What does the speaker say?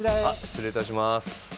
失礼いたします。